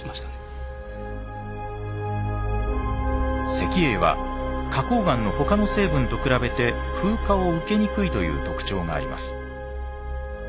石英は花崗岩の他の成分と比べて風化を受けにくいという特徴があります。